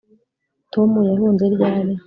tom yahunze ryari